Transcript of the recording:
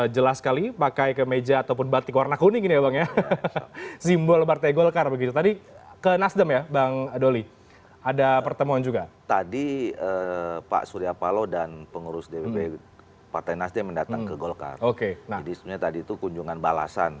jadi sebenarnya tadi itu kunjungan balasan